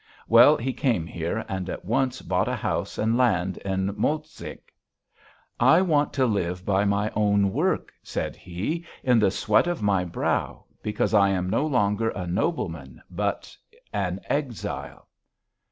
Well, he came here and at once bought a house and land in Moukhzyink. 'I want to live by my own work,' said he, 'in the sweat of my brow, because I am no longer a nobleman but an exile.'